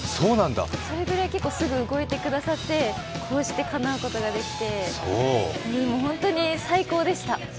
それくらいすぐ動いてくださって、こうしてかなうことができて、本当に最高でした。